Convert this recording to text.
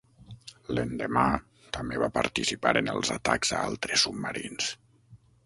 L'endemà, també va participar en els atacs a altres submarins.